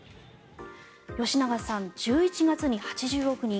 吉永さん、１１月に８０億人。